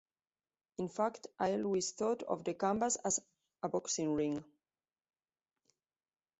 In fact, I always thought of the canvas as a boxing ring.